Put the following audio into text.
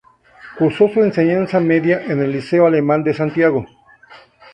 Cursó su enseñanza media en el Liceo Alemán de Santiago.